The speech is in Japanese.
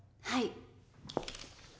はい。